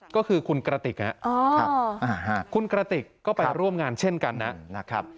ก็คือคุณกระติกคุณกระติกก็ไปร่วมงานเช่นกันนะครับ